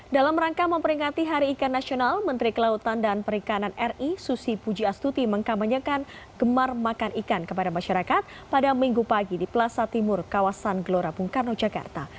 dalam rangka memperingati hari ikan nasional menteri kelautan dan perikanan ri susi pujiastuti mengkabanyakan gemar makan ikan kepada masyarakat pada minggu pagi di plaza timur kawasan gelora bung karno jakarta